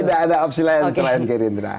tidak ada opsi lain selain gerindra